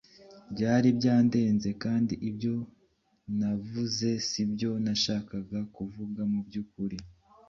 Byari byandenze, kandi ibyo navuze si byo nashakaga kuvuga mu by’ukuri.